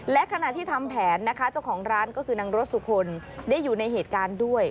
และขณะที่ทำแผนจัวของร้านก็คือนางรสสุขนเนี่ยอยู่ในเหตุการณ์ด้วย